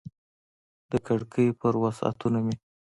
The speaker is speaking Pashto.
د کړکۍ پر وسعتونو مې